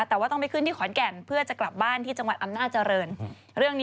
แต่ว่าต้องไปขึ้นที่ขอนแก่นเพื่อจะกลับบ้านที่อำนาจริง